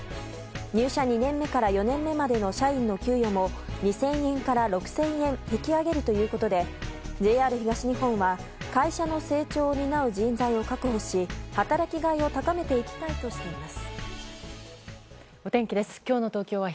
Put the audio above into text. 入社２年目から４年目までの社員の給与も２０００円から６０００円引き上げるということでＪＲ東日本は会社の成長を担う人材を確保し働きがいを高めていきたいとしています。